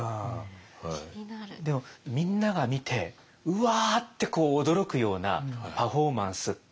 でもみんなが見てうわって驚くようなパフォーマンスって。